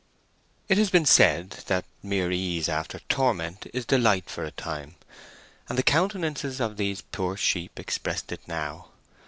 It has been said that mere ease after torment is delight for a time; and the countenances of these poor creatures expressed it now.